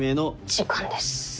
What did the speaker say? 時間です。